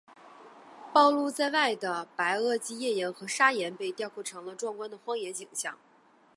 暴露在外的白垩纪页岩和砂岩被雕刻成了壮观的荒野景象。